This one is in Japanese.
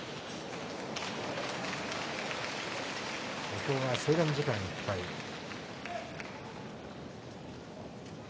土俵上制限時間いっぱいです。